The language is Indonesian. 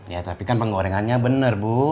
ya tapi kan penggorengannya benar bu